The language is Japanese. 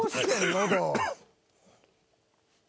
喉。